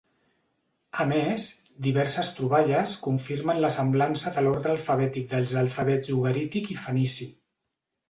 A més, diverses troballes confirmen la semblança de l'ordre alfabètic dels alfabets ugarític i fenici.